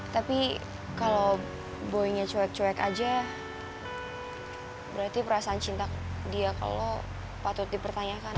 tapi kalo boynya cuek cuek aja berarti perasaan cinta dia ke lo patut dipertanyakan